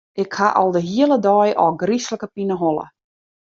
Ik ha al de hiele dei ôfgryslike pineholle.